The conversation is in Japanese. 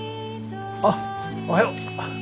あっおはよう。